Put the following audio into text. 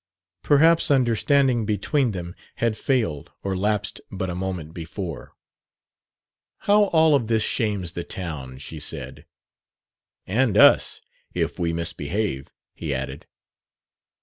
Perhaps understanding between them had failed or lapsed but a moment before. "How all of this shames the town!" she said. "And us if we misbehave," he added. Mrs.